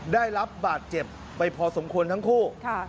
ได้รับบาดเจ็บไปพอสมควรทั้งคู่